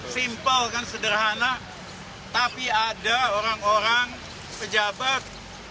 simple kan sederhana tapi ada orang orang pejabat